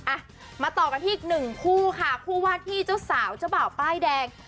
อ่ะมาต่อกันที่อีกหนึ่งคู่ค่ะคู่วาดที่เจ้าสาวเจ้าบ่าวป้ายแดง